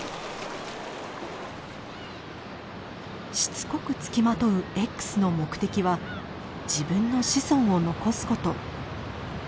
しつこくつきまとうＸの目的は自分の子孫を残すこと。